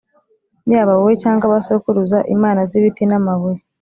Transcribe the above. yaba wowe cyangwa ba sokuruza, imana z’ibiti n’amabuye.